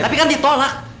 tapi kan ditolak